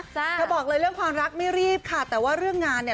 เธอบอกเลยเรื่องความรักไม่รีบค่ะแต่ว่าเรื่องงานเนี่ย